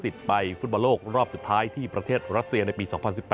ในประเทศราชเซียในปี๒๐๑๘